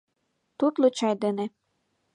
Тутло чай дене